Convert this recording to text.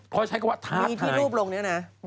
เพราะใช้คำว่าท้าทาย